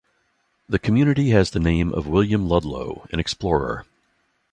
The community has the name of William Ludlow, an explorer.